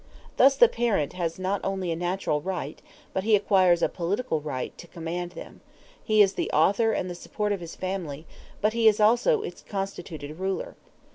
Thus the parent has not only a natural right, but he acquires a political right, to command them: he is the author and the support of his family; but he is also its constituted ruler.